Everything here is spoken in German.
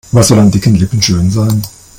Was soll an dicken Lippen schön sein?